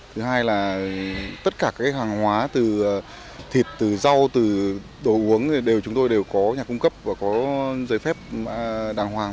thứ hai là tất cả các hàng hóa từ thịt từ rau từ đồ uống đều chúng tôi đều có nhà cung cấp và có giấy phép đàng hoàng